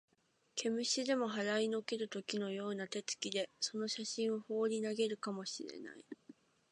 毛虫でも払いのける時のような手つきで、その写真をほうり投げるかも知れない